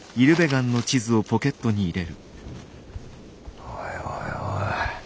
おいおいおい。